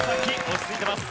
落ち着いてます。